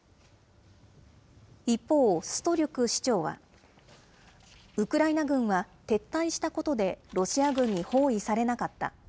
一方、ストリュク市長は、ウクライナ軍は撤退したことでロシア軍に包囲されなかった。